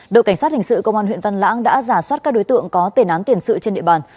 đội cảnh sát hình sự công an huyện văn lãng đã giả soát các đối tượng có tên án tiền sự trên địa bàn